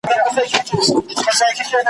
که پر مځکه ګرځېدل که په هوا وه ,